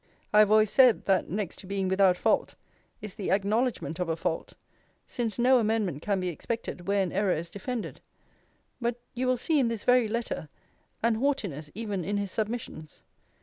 I have always said, that next to being without fault, is the acknowledgement of a fault; since no amendment can be expected where an error is defended: but you will see in this very letter, an haughtiness even in his submissions.